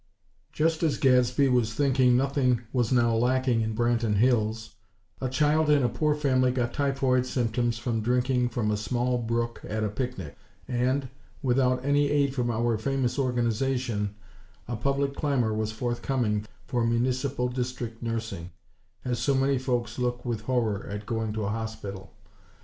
V Just as Gadsby was thinking nothing was now lacking in Branton Hills, a child in a poor family got typhoid symptoms from drinking from a small brook at a picnic and, without any aid from our famous Organization, a public clamor was forthcoming for Municipal District Nursing, as so many folks look with horror at going to a hospital.